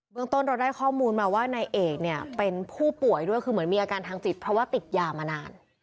เมืองต้นเราได้ข้อมูลมาว่านายเอกเนี่ยเป็นผู้ป่วยด้วยคือเหมือนมีอาการทางจิตเพราะว่าติดยามานาน